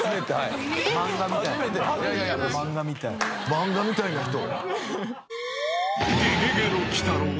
漫画みたいな人。